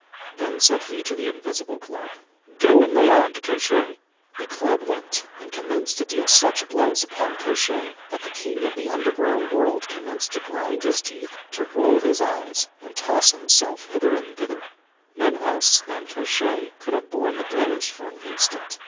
Then said he to the invisible club— "Go, and lay on to Koshchei." The club went and commenced to deal such blows upon Koshchei that the king of the underground world commenced to grind his teeth, to roll his eyes, and toss himself hither and thither. None else than Koshchei could have borne the blows for an instant.